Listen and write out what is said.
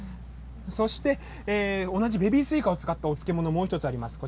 そして、同じベビースイカを使ったお漬物、もう１つあります。